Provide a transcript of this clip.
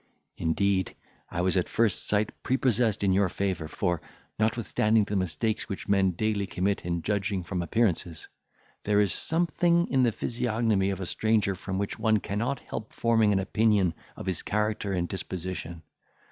Indeed, I was at first sight prepossessed in your favour, for, notwithstanding the mistakes which men daily commit in judging from appearances, there is something in the physiognomy of a stranger from which one cannot help forming an opinion of his character and disposition.